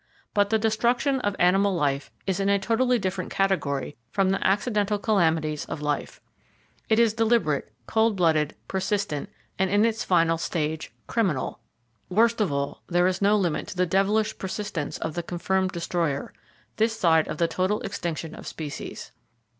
But the destruction of animal life is in a totally different category from the accidental calamities of life. It is deliberate, cold blooded, persistent, and in its final stage, criminal! Worst of all, there is no limit to the devilish persistence of the confirmed destroyer, this side of the total extinction of species.